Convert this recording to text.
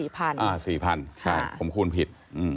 ผมควรผิด